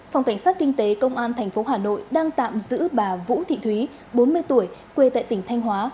phòng cảnh sát kinh tế công an tp hà nội đang tạm giữ bà vũ thị thúy bốn mươi tuổi quê tại tỉnh thanh hóa